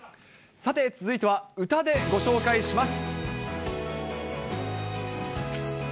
さて、続いては歌でご紹介します。